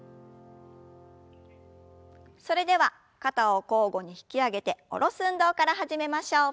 それでは肩を交互に引き上げて下ろす運動から始めましょう。